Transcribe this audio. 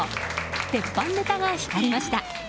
鉄板ネタが光りました。